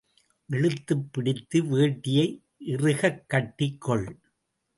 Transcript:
இழுத்துப்பிடித்து வேட்டியை இறுக்கக் கட்டிக் கொள்.